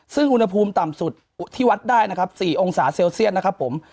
ซึ่งอุณหภูมิต่ำสุดที่วัดได้นะครับ๔องศาเซลเซียตนะครับผม